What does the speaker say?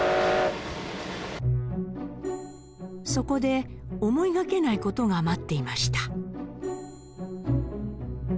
そこで思いがけない事が待っていました。